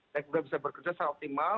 dan juga bisa bekerja secara optimal